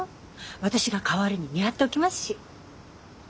私が代わりに見張っておきますし。